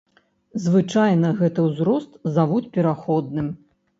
Звычайна гэты ўзрост завуць пераходным.